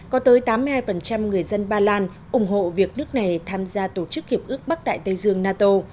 có tới tám mươi hai người dân ba lan ủng hộ việc nước này tham gia tổ chức hiệp ước bắc đại tây dương nato